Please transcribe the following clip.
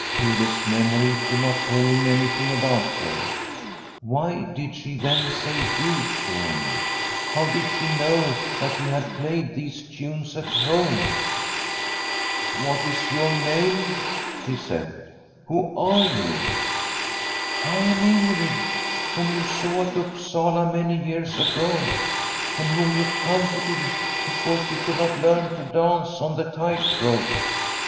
Hede's memory could not tell him any thing about her. Why did she, then, say ' du ' to him? How did she know that he had played these tunes at home ?* What is your name ?' he said. * Who are you?' * I am Ingrid, whom you saw at Upsala many years ago, and whom you comforted because she could not learn to dance on the tight rope.'